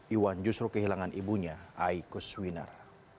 iwan justru kehilangan ibunya aikus winar